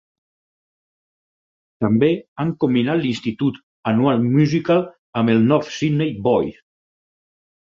També han combinat l'institut Annual Musical amb el North Sydney Boys.